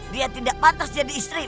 dia tidak pantas jadi istri